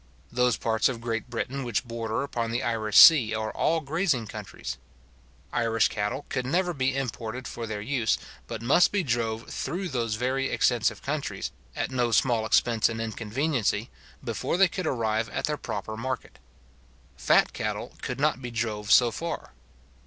Those parts of Great Britain which border upon the Irish sea are all grazing countries. Irish cattle could never be imported for their use, but must be drove through those very extensive countries, at no small expense and inconveniency, before they could arrive at their proper market. Fat cattle could not be drove so far.